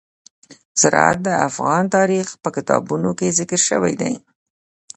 زراعت د افغان تاریخ په کتابونو کې ذکر شوی دي.